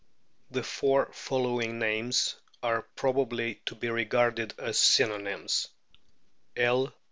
The four following names are probably to be re garded as synonyms : L.